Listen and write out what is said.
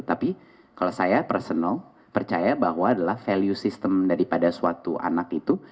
tapi kalau saya personal percaya bahwa adalah value system daripada suatu anak itu